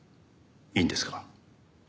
いいんですか？